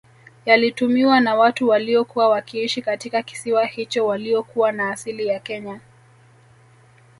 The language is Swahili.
Yalitumiwa na watu waliokuwa wakiishi katika kisiwa hicho waliokuwa na asili ya Kenya